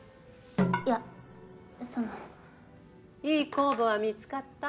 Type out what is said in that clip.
いい酵母は見つかった？